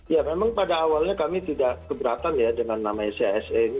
ya memang pada awalnya kami tidak keberatan dengan nama chse ini